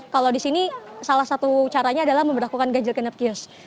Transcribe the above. kalau di sini salah satu caranya adalah memperlakukan ganjil genap kios